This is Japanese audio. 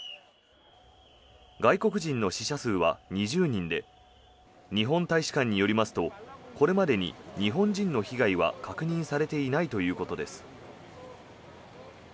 外国人の死者数は２０人で日本大使館によりますとこれまでに日本人の被害は確認されていないということです。